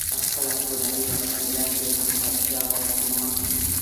په خپله کورنۍ او قبیله کې هم پر چا بدګومان شو.